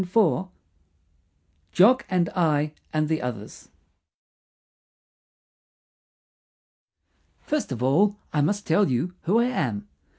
JOCK AND I AND THE OTHERS First of all, I must tell you who I am.